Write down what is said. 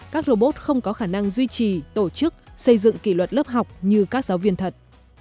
các robot không có khả năng duy trì tổ chức xây dựng kỷ luật lớp học như các giáo viên thật